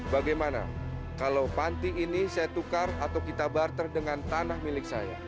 bagaimana kalau panti ini saya tukar atau kita barter dengan tanah milik saya